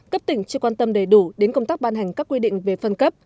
cấp tỉnh chưa quan tâm đầy đủ đến công tác ban hành các quy định về phân cấp